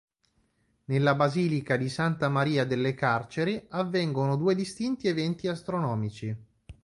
Nella basilica di Santa Maria delle Carceri avvengono due distinti eventi astronomici.